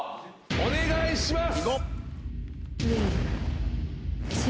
お願いします。